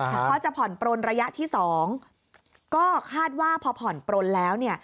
พอจะผ่อนปลนระยะที่๒ก็คาดว่าพอผ่อนปลนแล้ว